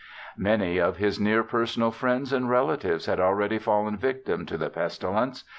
Many of his near personal friends and relatives had already ELISHA BARTLETT 153 fallen victims to the pestilence.